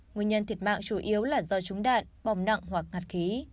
nguyên nhân thiệt mạng chủ yếu là do trúng đạn bom nặng hoặc ngặt khí